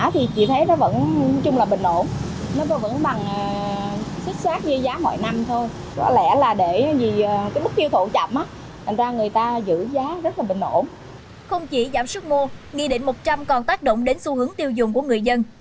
không chỉ giảm sức mua nghị định một trăm linh còn tác động đến xu hướng tiêu dùng của người dân